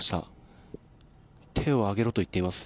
手を上げろと言っています。